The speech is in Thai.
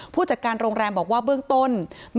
ผู้จัดการโรงแรมบอกว่าเบื้องต้น